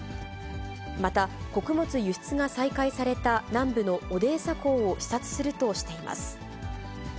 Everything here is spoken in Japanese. また、穀物輸出が再開された南部のオデーサ港を視察するとしています。